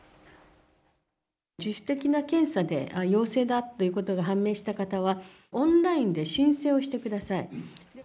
自主的な検査で陽性だということが判明した方は、オンラインで申請をしてください。